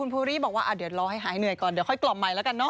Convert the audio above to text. ภูรี่บอกว่าเดี๋ยวรอให้หายเหนื่อยก่อนเดี๋ยวค่อยกล่อมใหม่แล้วกันเนอ